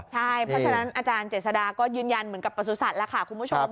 ใช่เพราะฉะนั้นอาจารย์เจษฎาก็ยืนยันเหมือนกับประสุทธิ์แล้วค่ะคุณผู้ชม